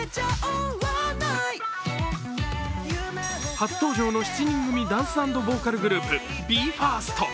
初登場の７人組ダンス＆ボーカルグループＢＥ：ＦＩＲＳＴ。